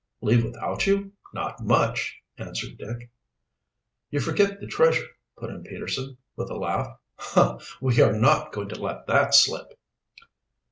"Leave without you? Not much!" answered Dick. "You forget the treasure," put in Peterson, with a laugh. "We are not going to let that slip."